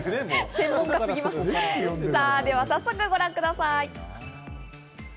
では早速、ご覧ください。